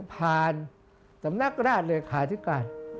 ผ่านสำนักราชเลยขาถิกัด